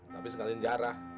tapi sekarang ini jarah